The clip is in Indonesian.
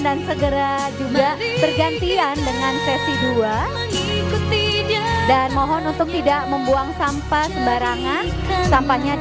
dan segera juga pergantian dengan sesi dua dan mohon untuk tidak membuang sampah sembarangan sampahnya